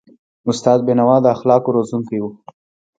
استاد بینوا د اخلاقو روزونکی و.